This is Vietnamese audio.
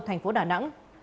thành phố đà nẵng